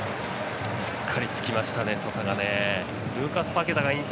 しっかりつきましたソサ。